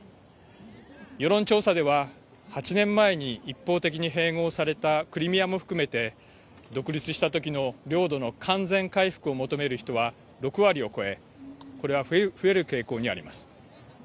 世論調査では８年前に一方的に併合されたクリミアも含めて独立したときの領土の完全回復を求める人は６割を超えこれは増える傾向にあります。